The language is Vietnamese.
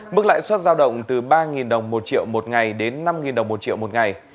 mức lãi suất giao động từ ba đồng một triệu một ngày đến năm đồng một triệu một ngày